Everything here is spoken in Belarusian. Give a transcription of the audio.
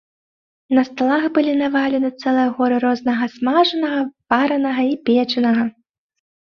На сталах былі навалены цэлыя горы рознага смажанага, варанага і печанага.